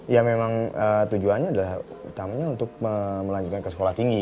ya memang tujuannya adalah utamanya untuk melanjutkan ke sekolah tinggi